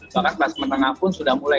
bahkan kelas menengah pun sudah mulai